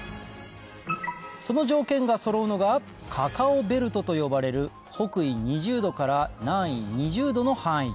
その条件がそろうのがカカオベルトと呼ばれる北緯２０度から南緯２０度の範囲